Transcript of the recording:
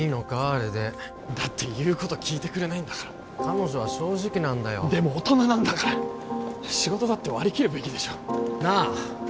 あれでだって言うこと聞いてくれないんだから彼女は正直なんだよでも大人なんだから仕事だって割り切るべきでしょうなあ！